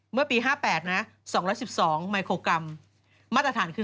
เมื่อปี๕๘นะ๒๑๒ไมโครกรัมมาตรฐานคือ